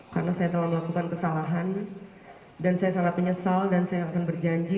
karena saya telah melakukan kesalahan dan saya sangat menyesal dan saya akan berjanji